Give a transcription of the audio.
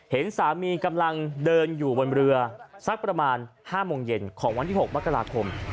เห็นสามีกำลังเดินอยู่บนเรือสักประมาณ๕โมงเย็นของวันที่๖มกราคม